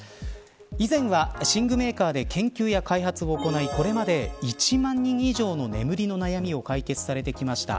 以前は寝具メーカーで研究や開発を行い、これまで１万人以上の眠りの悩みを解決されてきました。